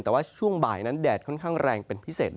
แต่ว่าช่วงบ่ายนั้นแดดค่อนข้างแรงเป็นพิเศษ